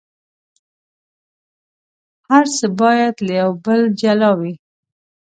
هر څه باید له یو بل جلا وي.